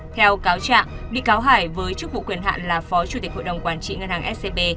theo cáo trạng bị cáo hải với chức vụ quyền hạn là phó chủ tịch hội đồng quản trị ngân hàng scb